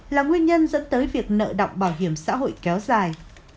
là nguyên nhân dẫn tới việc nợ động bảo hiểm xã hội kéo dài